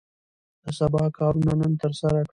د سبا کار نن ترسره کړئ.